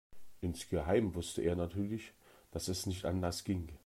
Insgeheim wusste er natürlich, dass es nicht anders ging.